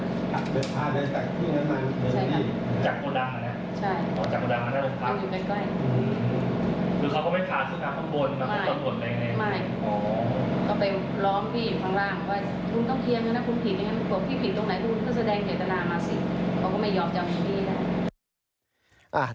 เขาก็ไม่ยอมจะเอาพี่ได้